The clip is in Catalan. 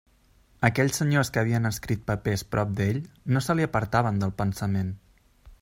Aquells senyors que havien escrit papers prop d'ell no se li apartaven del pensament.